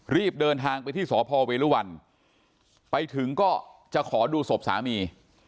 รีบเดินทางไปที่สพเวรุวันไปถึงก็จะขอดูศพสามี